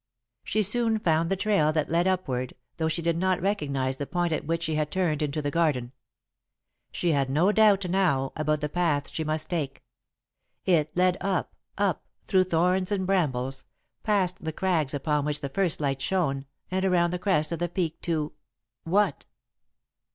She soon found the trail that led upward, though she did not recognise the point at which she had turned into the garden. She had no doubt, now, about the path she must take. It led up, up, through thorns and brambles, past the crags upon which the first light shone, and around the crest of the peak to what?